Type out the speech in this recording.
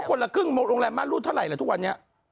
ก็คนละครึ่งโรงแรมมารุ้นเท่าไหร่แหละทุกวันเนี่ย